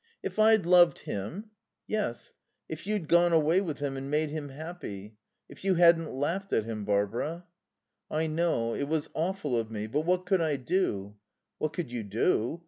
"If I'd loved him?" "Yes. If you'd gone away with him and made him happy. If you hadn't laughed at him, Barbara." "I know. It was awful of me. But what could I do?" "What could you do?